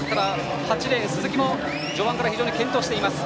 ８レーン、鈴木も序盤から非常に健闘しています。